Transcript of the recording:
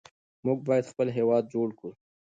موږ باید خپل هېواد جوړ کړو.